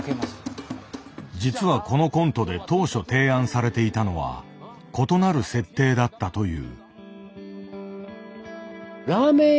実はこのコントで当初提案されていたのは異なる設定だったという。